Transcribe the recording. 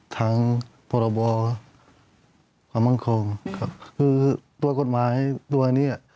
ฐังประบอความฮ่องคลมคือตัวกฎหมายตัวอันเนี้ย